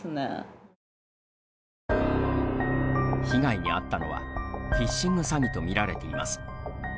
被害に遭ったのはフィッシング詐欺とみられています。